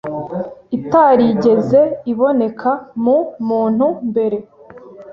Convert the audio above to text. itarigeze iboneka mu muntu mbere